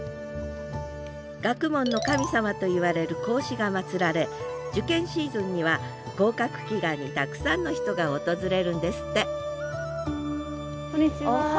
学問の神様といわれる孔子が祀られ受験シーズンには合格祈願にたくさんの人が訪れるんですってこんにちは。